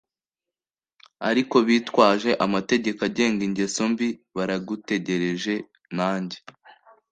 Ariko bitwaje amategeko agenga ingeso mbi baragutegereje nanjye